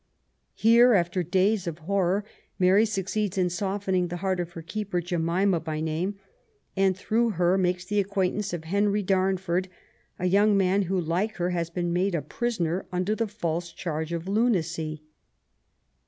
Here, after days of horror, Maria succeeds in softening the heart of her keeper, Jemima by name, and through her makes the acquaintance of Henry Darnford, a young man who, like her, has been made a prisoner ^mder the false charge of lunacy.